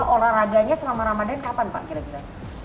olahraganya selama ramadan kapan pak kira kira